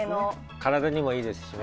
体にもいいですしね